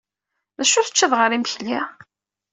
D acu teččiḍ ɣer yimekli?